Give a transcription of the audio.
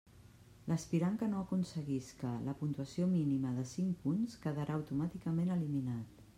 L'aspirant que no aconseguisca la puntuació mínima de cinc punts quedarà automàticament eliminat.